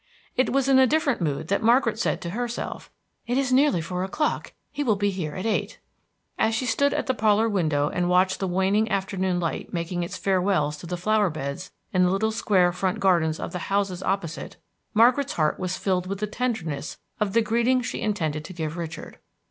It was in a different mood that Margaret said to herself, "It is nearly four o'clock; he will be here at eight!" As she stood at the parlor window and watched the waning afternoon light making its farewells to the flower beds in the little square front gardens of the houses opposite, Margaret's heart was filled with the tenderness of the greeting she intended to give Richard.